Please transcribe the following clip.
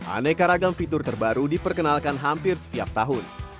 aneka ragam fitur terbaru diperkenalkan hampir setiap tahun